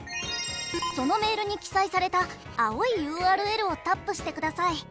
そのメールに記載された青いＵＲＬをタップしてください。